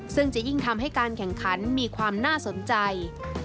ซึ่งจะยิ่งทำให้การแข่งขันมีความน่าสนใจ